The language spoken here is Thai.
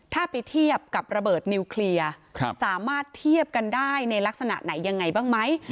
ถ้าไปเทียบกับระเบิดนิวเคลียร์สามารถเทียบกันได้ในลักษณะไหนยังไงบ้างไหม